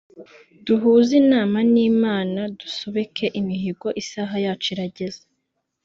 Duhuze inama n’Imana dusobeke imihigo isaha yacu irageze